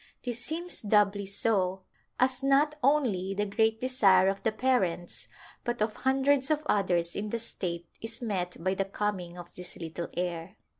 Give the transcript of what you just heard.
This seems doubly so as not only the great desire of the parents but of hundreds of others in the state is met by the coming of this little heir.